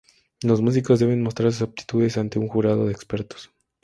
Los músicos deben mostrar sus aptitudes ante un jurado de expertos.